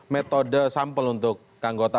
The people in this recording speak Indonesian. metode sampel untuk